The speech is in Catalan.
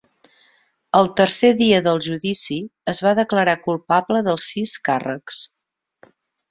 Al tercer dia del judici, es va declarar culpable dels sis càrrecs.